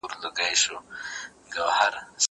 زه اوس قلم استعمالوموم؟!